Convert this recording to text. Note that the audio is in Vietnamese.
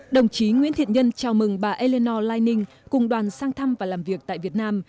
đồng chí nguyễn thiện nhân chào mừng bà elino lai cùng đoàn sang thăm và làm việc tại việt nam